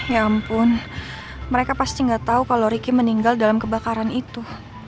ya ampun mereka pasti gak tau kalau riki meninggal dalam kebakaran itu